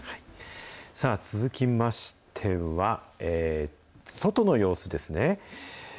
さあ、続きましては、外の様子ですね。